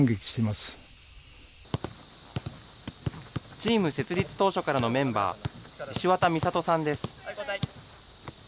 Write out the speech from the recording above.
チーム設立当初からのメンバー、石渡美里さんです。